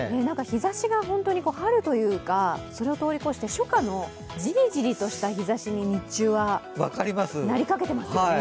なんか日ざしが春というか、それを通り越して初夏のじりじりとした日ざしに日中はなりかけてますね。